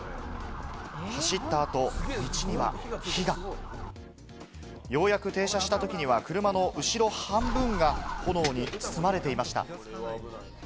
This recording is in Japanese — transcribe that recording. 走ったあと、道には火がようやく停車した時には車の後ろ半分が炎に包まれていました。